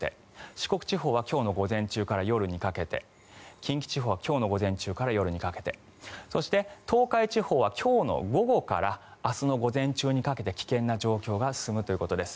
四国地方は今日の午前中から夜にかけて近畿地方は今日の午前中から夜にかけてそして、東海地方は今日の午後から明日の午前中にかけて危険な状況が進むということです。